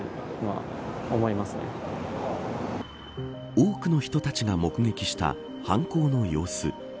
多くの人たちが目撃した犯行の様子。